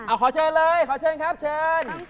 ขอเชิญเลยขอเชิญครับเชิญ